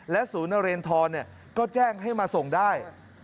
ศูนย์นเรนทรก็แจ้งให้มาส่งได้